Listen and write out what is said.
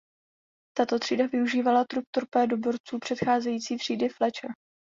Tato třída využívala trup torpédoborců předcházející třídy "Fletcher".